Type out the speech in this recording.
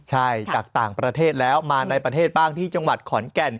ใช่จากต่างประเทศแล้วมาในประเทศบ้างที่จังหวัดขอนแก่น